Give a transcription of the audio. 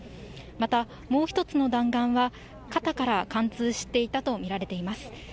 またもう１つの弾丸は肩から貫通していたと見られています。